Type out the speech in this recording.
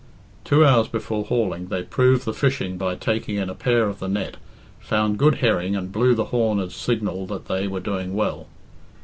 Two hours before hauling, they proved the fishing by taking in a "pair" of the net, found good herring, and blew the horn as signal that they were doing well.